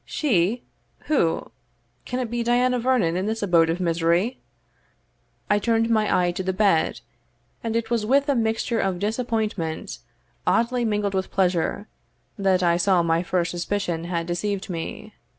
"She! who? can it be Diana Vernon in this abode of misery?" I turned my eye to the bed, and it was with a mixture of disappointment oddly mingled with pleasure, that I saw my first suspicion had deceived me.